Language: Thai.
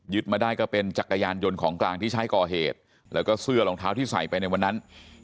มาได้ก็เป็นจักรยานยนต์ของกลางที่ใช้ก่อเหตุแล้วก็เสื้อรองเท้าที่ใส่ไปในวันนั้น